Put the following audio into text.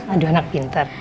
aduh anak pinter